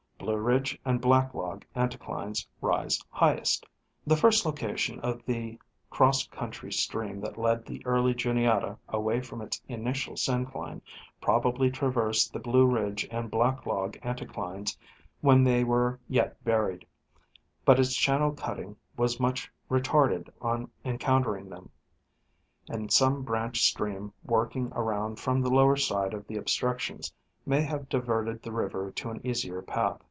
Blue Ridge and Black Log anticlines rise highest. The first location of the cross country stream that led the early Juniata away from its initial syncline probably traversed the Blue Ridge and Black Log anti clines while they were yet buried ; but its channel cutting was much retarded on encountering them, and some branch stream working around from the lower side of the obstructions may have diverted the river to an easier path.